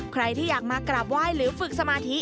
ใครที่อยากมากราบไหว้หรือฝึกสมาธิ